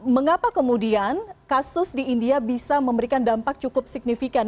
mengapa kemudian kasus di india bisa memberikan dampak cukup signifikan